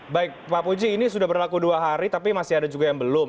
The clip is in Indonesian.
baik pak puji ini sudah berlaku dua hari tapi masih ada juga yang belum